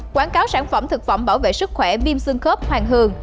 quảng cáo sản phẩm thực phẩm bảo vệ sức khỏe viêm xương khớp hoàng hường